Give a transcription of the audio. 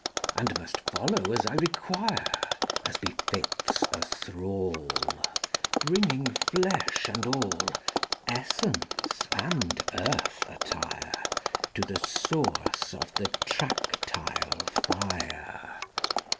And must follow as I require, As befits a thrall, Bringing flesh and all, Essence and earth attire, To the source of the tractile fire: XVI.